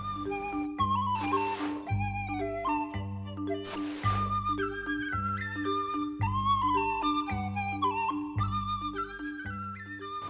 ปลอดภัย